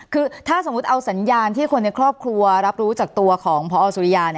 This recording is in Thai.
คือถ้าสมมุติเอาสัญญาณที่คนในครอบครัวรับรู้จากตัวของพอสุริยา